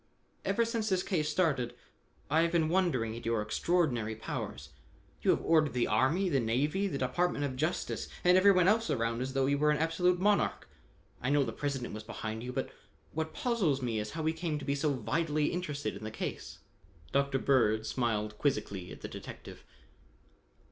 "Ever since this case started, I have been wondering at your extraordinary powers. You have ordered the army, the navy, the department of justice and everyone else around as though you were an absolute monarch. I know the President was behind you, but what puzzles me is how he came to be so vitally interested in the case." Dr. Bird smiled quizzically at the detective.